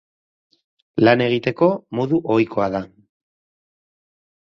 Lan egiteko modu ohikoa da.